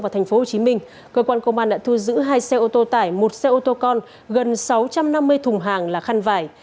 tp hcm cơ quan công an đã thu giữ hai xe ô tô tải một xe ô tô con gần sáu trăm năm mươi thùng hàng là khăn vải